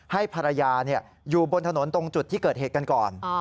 ให้ภรรยาอยู่บนถนนตรงจุดที่เกิดเหตุกันก่อน